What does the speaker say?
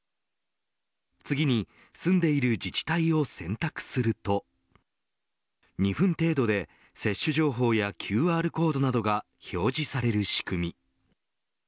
次に住んでいる自治体を選択すると２分程度で接種情報やＱＲコードなどが表示される仕組み。